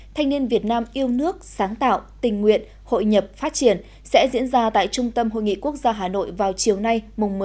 thanh niên việt nam yêu nước sáng tạo tình nguyện hội nhập phát triển sẽ diễn ra tại trung tâm hội nghị quốc gia hà nội vào chiều nay một mươi hai